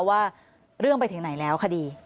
ว่าเรื่องไปถึงไหนแล้วคดี